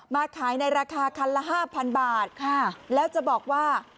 ขายในราคาคันละห้าพันบาทค่ะแล้วจะบอกว่า